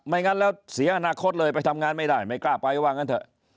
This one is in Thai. งั้นแล้วเสียอนาคตเลยไปทำงานไม่ได้ไม่กล้าไปว่างั้นเถอะ